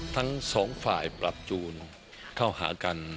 ทั้งสองฝ่ายปรับจูนเข้าหากัน